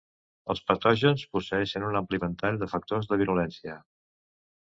Els patògens posseeixen un ampli ventall de factors de virulència.